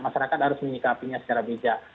masyarakat harus menyikapinya secara bijak